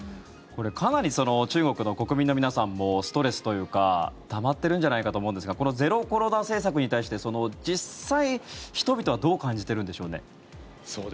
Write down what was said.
かなり中国の国民の皆さんもストレスというかたまってるんじゃないかと思うんですがゼロコロナ政策に対して実際、人々はどう感じているんでしょうね。